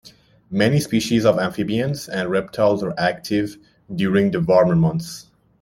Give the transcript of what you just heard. Many species of amphibians and reptiles are active during the warmer months.